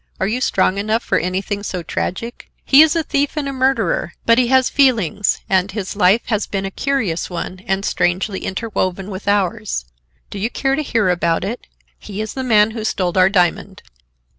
Are you strong enough for anything so tragic? He is a thief and a murderer, but he has feelings, and his life has been a curious one, and strangely interwoven with ours. Do you care to hear about it? He is the man who stole our diamond."